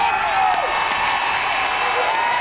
เย็นสุด